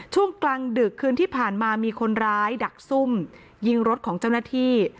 ช่วงกลางดึกคืนที่ผ่านมามีคนร้ายดักซุ่มยิงรถของเจ้าหน้าที่